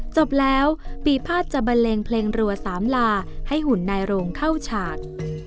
จบแล้วปีภาษจะบันเลงเพลงรัวสามลาให้หุ่นนายโรงเข้าฉาก